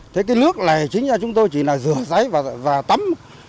thế cái nước này chính là chúng tôi chỉ là rửa giấy và tắm